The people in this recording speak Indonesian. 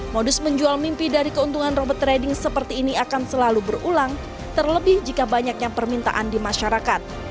modus menjual mimpi dari keuntungan robot trading seperti ini akan selalu berulang terlebih jika banyaknya permintaan di masyarakat